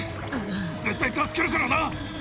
絶対助けるからな。